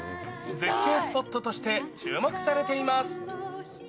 絶景スポットとして注目されています。